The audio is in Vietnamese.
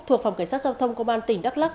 thuộc phòng cảnh sát giao thông công an tỉnh đắk lắc